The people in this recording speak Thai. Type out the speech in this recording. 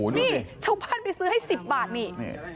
นี่ชาวบ้านไปซื้อให้๑๐บาทนี่